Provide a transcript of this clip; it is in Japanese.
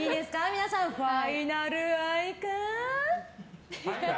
皆さんファイナル愛花？